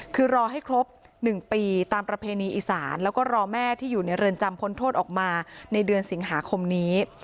คือรอให้ครบ๑ปีตามประเพณีอีสานแล้วก็รอแม่ที่อยู่ในเรือนจำพ้นโทษออกมาในเดือนสิงหาคมนี้